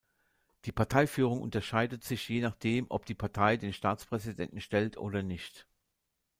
Die Parteiführung unterscheidet sich je nachdem, ob die Partei den Staatspräsidenten stellt oder nicht.